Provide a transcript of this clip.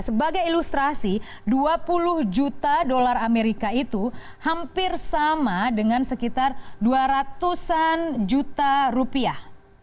sebagai ilustrasi dua puluh juta dolar amerika itu hampir sama dengan sekitar dua ratus an juta rupiah